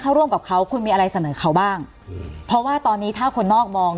ถ้าร่วมกับเขาคุณมีอะไรเสนอเขาบ้างเพราะว่าตอนนี้ถ้าคนนอกมอง